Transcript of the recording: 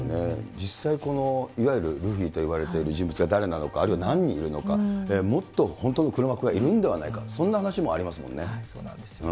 実際、いわゆるルフィと言われている人物が誰なのか、あるいは何人いるのか、もっと本当の黒幕がいるんではないか、そんな話もありますもんね。